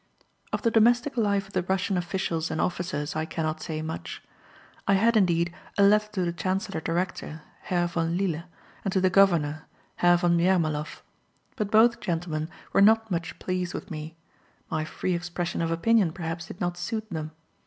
Of the domestic life of the Russian officials and officers I cannot say much. I had, indeed, a letter to the chancellor director, Herr von Lille, and to the governor, Herr von Jermaloff; but both gentlemen were not much pleased with me my free expression of opinion, perhaps, did not suit them.